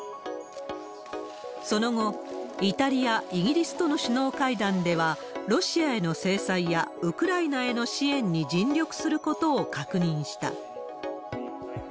その後、イタリア、イギリスとの首脳会談では、ロシアへの制裁やウクライナへの支援に尽力することを確認した。